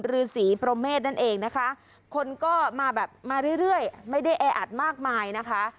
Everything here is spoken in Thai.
ฤษีพรหมเมษนั่นเองนะคะคนก็มาแบบมาเรื่อยไม่ได้แออัดมากมายนะคะ